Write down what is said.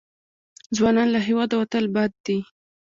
ځوانان له هېواده وتل بد دي.